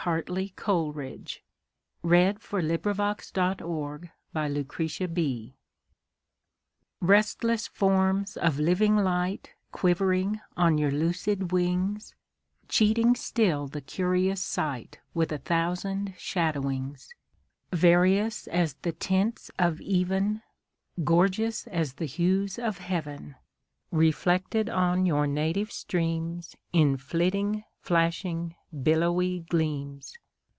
M N . O P . Q R . S T . U V . W X . Y Z Address to Certain Golfishes RESTLESS forms of living light Quivering on your lucid wings, Cheating still the curious sight With a thousand shadowings; Various as the tints of even, Gorgeous as the hues of heaven, Reflected on you native streams In flitting, flashing, billowy gleams!